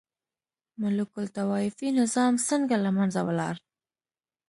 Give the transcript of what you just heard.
ملوک الطوایفي نظام څنګه له منځه ولاړ؟